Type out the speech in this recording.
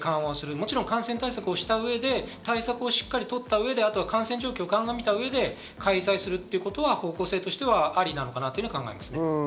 もちろん感染対策をした上で対策をしっかり取った上で感染状況をかんがみた上で開催するということは方向性としてはありかなと考えます。